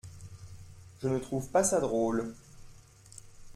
Je ne trouve pas ça drôle !